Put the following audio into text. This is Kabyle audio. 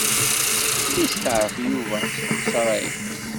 Isteɛṛef Yuba s lexṣara-ines.